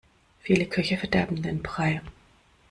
Viele Köche verderben den Brei.